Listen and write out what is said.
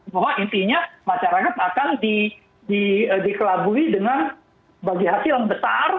bahwa intinya masyarakat akan dikelabui dengan bagi hasil yang besar